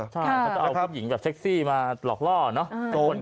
ใช่เขาจะเอาผู้หญิงแบบเซ็กซี่มาหลอกล่อเนอะ